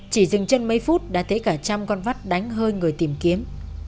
chỉ dừng chân mấy phút đã thấy cả trăm con vắt đánh hơi người tìm kiếm